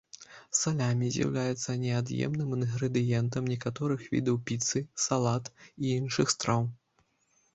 Салямі з'яўляецца неад'емным інгрэдыентам некаторых відаў піцы, салат і іншых страў.